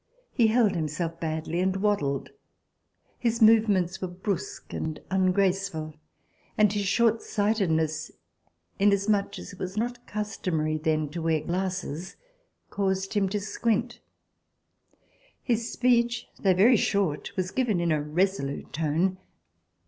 He held himself badly and waddled; his movements were brusque and ungraceful, and his shortsightedness, inasmuch as it was not customary then to wear glasses, caused him to squint. His speech, although very short, was given in a resolute tone.